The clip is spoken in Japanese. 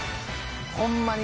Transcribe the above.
ホンマに！